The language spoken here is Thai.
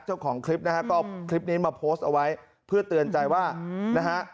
เจ้าของคลิปนะฮะก็เอาคลิปนี้มาโพสต์เอาไว้เพื่อเตือนใจว่านะฮะ